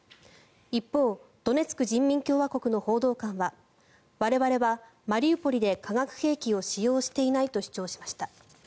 一方、ドネツク人民共和国の報道官は我々はマリウポリで化学兵器を使用していないと主張しました。